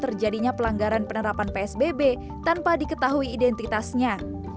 terjadinya pelanggaran penerapan psbb tanpa diketahui identitasnya